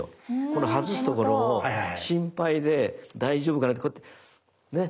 この外すところを心配で大丈夫かな？ってこうやってね。